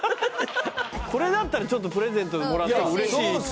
これだったらちょっとプレゼントでもらってもうれしいですよね